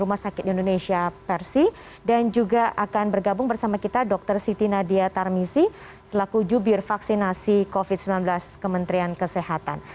assalamualaikum warahmatullahi wabarakatuh